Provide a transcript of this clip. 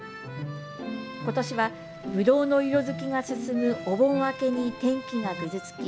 今年は、ぶどうの色づきが進むお盆明けに天気がぐずつき